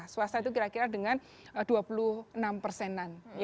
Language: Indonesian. swasta itu kira kira dengan dua puluh enam persenan